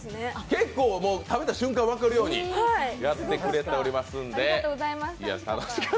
結構食べた瞬間分かるようにやってくれてますんで。